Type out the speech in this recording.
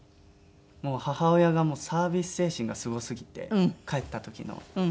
もう母親がサービス精神がすごすぎて帰った時の。